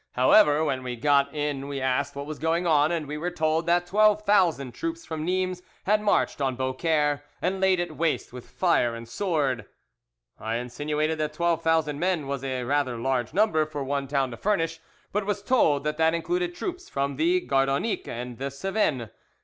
However, when we got in we asked what was going on, and we were told that twelve thousand troops from Nimes had marched on Beaucaire and laid it waste with fire and sword. I insinuated that twelve thousand men was rather a large number for one town to furnish, but was told that that included troops from the Gardonninque and the Cevennes.